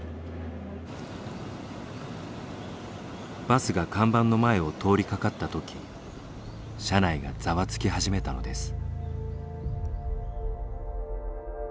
バスが看板の前を通りかかった時車内がざわつき始めたのです。